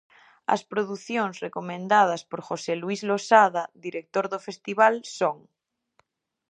As producións recomendadas por José Luís Losa, director do festival, son.